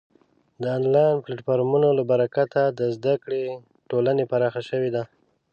د آنلاین پلتفورمونو له برکته د زده کړې ټولنې پراخه شوې ده.